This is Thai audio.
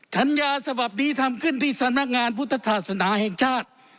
สัญญาฉบับนี้ทำขึ้นที่สำนักงานพุทธศาสนาแห่งชาติ